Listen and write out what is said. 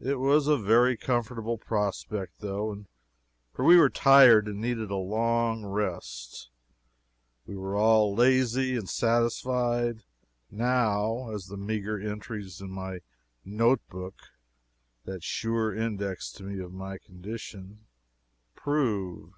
It was a very comfortable prospect, though, for we were tired and needed a long rest. We were all lazy and satisfied, now, as the meager entries in my note book (that sure index, to me, of my condition), prove.